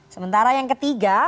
sementara yang ketiga